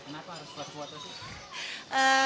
kenapa harus pas foto sih